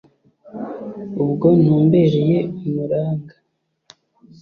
ubwo ntumbereye umuranga